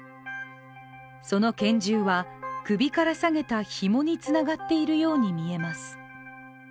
その拳銃は首からさげたひもにつながっているように見えます。